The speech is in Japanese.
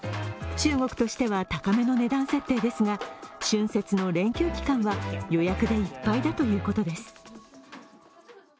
中国としては高めの値段設定ですが、春節の連休期間は予約でいっぱいだということです。